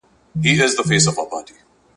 د صبر کاسه درنه ده ..